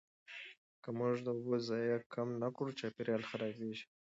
که موږ د اوبو ضایع کم نه کړو، چاپیریال خرابېږي.